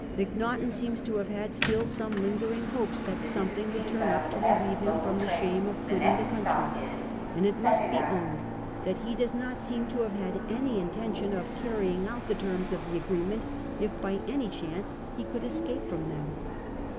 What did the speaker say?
Macnaghten seems to have had still some lingering hopes that something would turn up to relieve him from the shame of quitting the country ; and it must he owned that he does not seem to have had any intention of carrying out the terms of the agreement if by any chance he could escape from them.